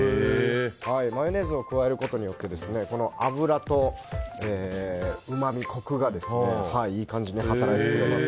マヨネーズを加えることによって油とうまみ、コクがいい感じに働いてくれます。